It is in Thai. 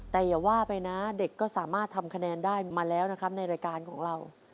แต่อย่าว่าไปนะเด็กก็สามารถทำคะแนนได้มาแล้วนะครับในรายการของเรา